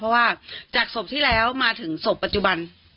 เพราะว่าจากศพที่แล้วมาถึงศพปัจจุบัน